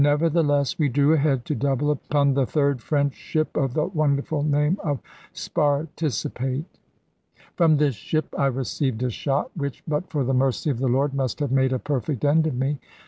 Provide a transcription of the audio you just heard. Nevertheless we drew ahead, to double upon the third French ship, of the wonderful name of Sparticipate. From this ship I received a shot, which, but for the mercy of the Lord, must have made a perfect end of me.